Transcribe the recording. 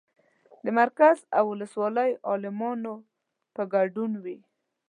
د مرکز او ولسوالۍ عالمانو په ګډون وي.